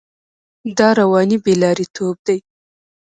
دا رواني بې لارېتوب دی.